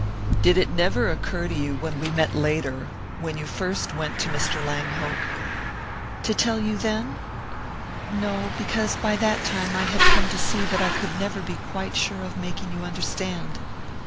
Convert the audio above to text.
"Did it never occur to you, when we met later when you first went to Mr. Langhope "? "To tell you then? No because by that time I had come to see that I could never be quite sure of making you understand.